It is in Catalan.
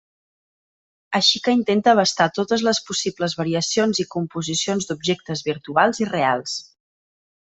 Així que intenta abastar totes les possibles variacions i composicions d'objectes virtuals i reals.